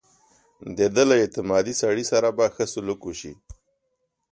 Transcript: د ده له اعتمادي سړي سره به ښه سلوک وشي.